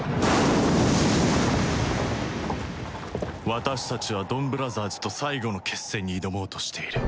私たちはドンブラザーズと最後の決戦に挑もうとしている